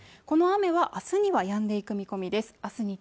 この雨は明日には止んでいく見込みです